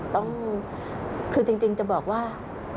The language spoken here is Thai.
ต้องคือจริงจะบอกว่า